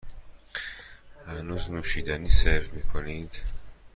هنوز نوشیدنی سرو می کنید؟